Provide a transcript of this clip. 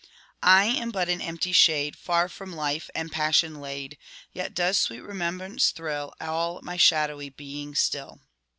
'* I am but an empty shade, Far from life and passion laid ; Yet does sweet remembrance thrill All my shadowy being still.'